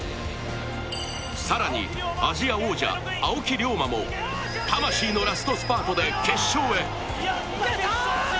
更にアジア王者・青木涼真も魂のラストスパートで決勝へ。